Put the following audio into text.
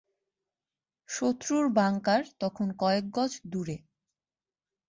শত্রুর বাংকার তখন কয়েক গজ দূরে।